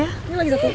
ini lagi jatuh